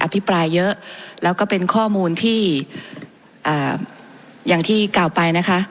พิปรายเยอะแล้วก็เป็นข้อมูลที่อย่างที่กล่าวไปนะคะ